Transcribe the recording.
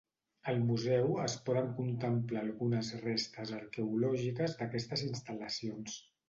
Al museu es poden contemplar algunes restes arqueològiques d'aquestes instal·lacions.